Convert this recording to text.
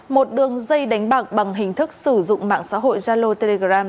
một đường dây đánh bạc bằng hình thức sử dụng mạng xã hội jalo telegram